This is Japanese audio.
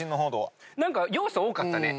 何か要素多かったね。